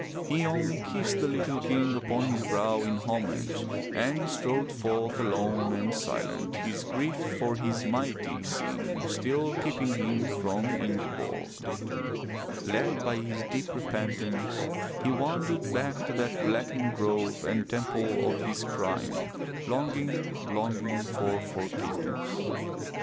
He only kissed the little king upon his brow in homage, and strode forth alone and silent, his grief for his mighty sin still keeping him from Ingeborg. Led by his 356 FROM THE TOWER WINDOW deep repentance, he wandered back to that blackened grove and temple of his crime, longing, longing for forgiveness.